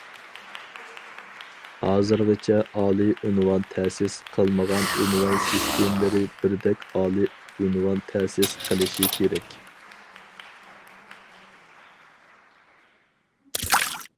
ھازىرغىچە ئالىي ئۇنۋان تەسىس قىلمىغان ئۇنۋان سىستېمىلىرى بىردەك ئالىي ئۇنۋان تەسىس قىلىشى كېرەك.